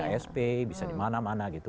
ya bisa di ksp bisa di mana mana gitu